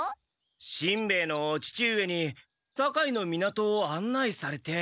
しんべヱの父上に堺の港を案内されて。